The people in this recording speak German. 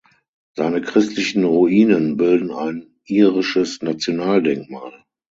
Seine christlichen Ruinen bilden ein irisches Nationaldenkmal.